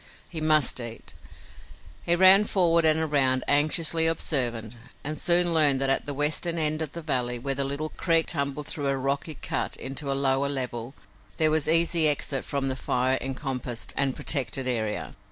He must eat. He ran forward and around, anxiously observant, and soon learned that at the western end of the valley, where the little creek tumbled through a rocky cut into a lower level, there was easy exit from the fire encompassed and protected area.